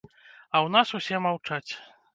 А ў нас усе маўчаць.